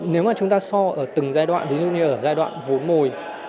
nếu mà chúng ta so ở từng giai đoạn ví dụ như ở giai đoạn vốn mồi